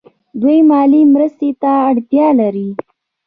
دوی مالي مرستې ته اړتیا لري.